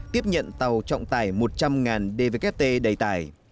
tiếp nhận tàu trọng tải một trăm linh dvkt đầy tải